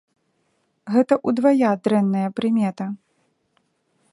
Гэта ўдвая дрэнная прымета.